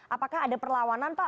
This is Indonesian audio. apakah ada perlawanan pak